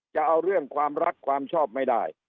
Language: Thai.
จะเอาเรื่องความรักความชอบไม่ได้